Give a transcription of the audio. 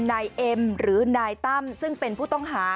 นายเอ็มหรือนายตั้มซึ่งเป็นผู้ต้องหา